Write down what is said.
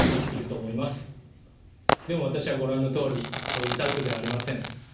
でも私はご覧のとおりそういうタイプではありません。